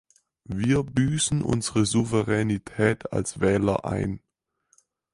Wir büßen unsere Souveränität als Wähler ein.